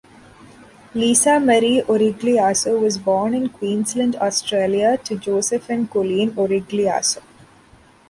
Lisa Marie Origliasso was born in Queensland, Australia to Joseph and Colleen Origliasso.